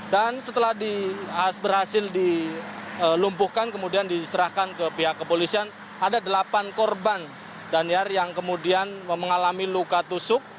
dan setelah berhasil dilumpuhkan kemudian diserahkan ke pihak kepolisian ada delapan korban dan yang kemudian mengalami luka tusuk